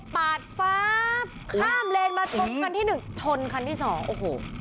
ปาดฟ้าข้ามเลนมาชกคันที่หนึ่งชนคันที่สองโอ้โห